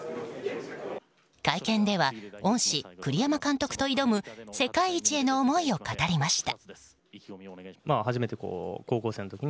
会見では恩師・栗山監督と挑む世界一への思いを語りました。